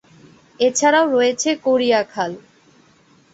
এছাড়া রয়েছে করিয়া খাল।